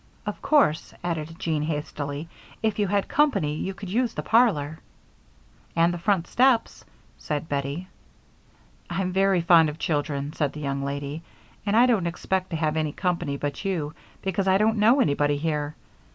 "Of course," added Jean, hastily, "if you had company you could use the parlor " "And the front steps," said Bettie. "I'm very fond of children," said the young lady, "and I don't expect to have any company but you because I don't know anybody here.